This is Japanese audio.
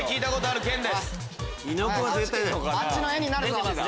あっちの画になるぞ。